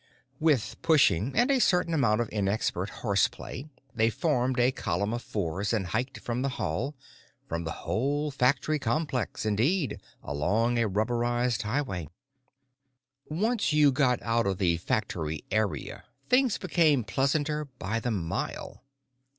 With pushing and a certain amount of inexpert horseplay they formed a column of fours and hiked from the hall—from the whole factory complex, indeed, along a rubberized highway. Once you got out of the factory area things became pleasanter by the mile.